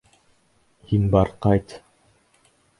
Һин бар ҡайт.